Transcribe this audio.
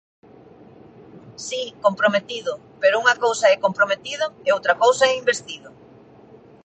Si, comprometido, pero unha cousa é comprometido e outra cousa é investido.